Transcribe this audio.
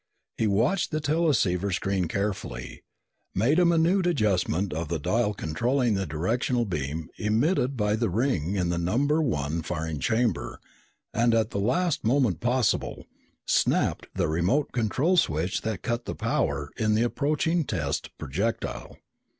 He watched the teleceiver screen carefully, made a minute adjustment of the dial controlling the directional beam emitted by the ring in the number one firing chamber, and at the last possible moment, snapped the remote control switch that cut the power in the approaching test projectile.